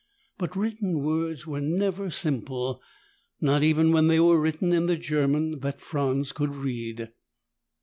But written words were never simple, not even when they were written in the German that Franz could read.